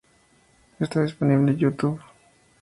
Está disponible en YouTube.